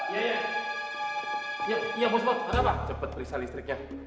cepat periksa listriknya